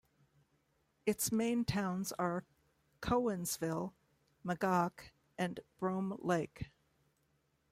Its main towns are Cowansville, Magog, and Brome Lake.